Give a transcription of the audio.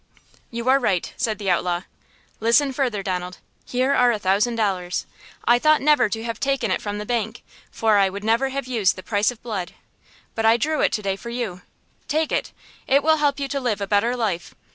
"You are right," said the outlaw. "Listen further, Donald. Here are a thousand dollars! I thought never to have taken it from the bank, for I would never have used the price of blood! But I drew it to day for you. Take it–it will help you to live a better life!